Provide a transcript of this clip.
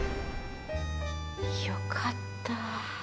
良かった。